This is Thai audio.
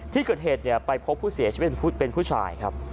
ที่เกิดเหตุไปพบผู้เสียชีวิตเป็นผู้ชายครับ